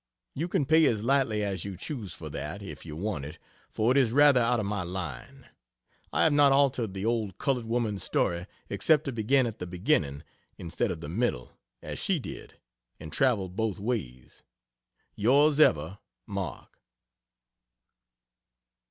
You can pay as lightly as you choose for that, if you want it, for it is rather out of my line. I have not altered the old colored woman's story except to begin at the beginning, instead of the middle, as she did and traveled both ways.... Yrs Ever MARK.